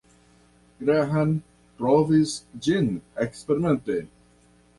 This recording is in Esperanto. Graham trovis ĝin eksperimente.